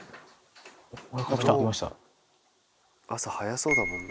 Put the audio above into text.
朝早そうだもんな。